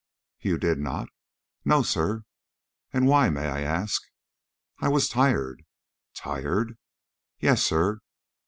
"You did not?" "No, sir." "And why, may I ask?" "I was tired." "Tired?" "Yes, sir."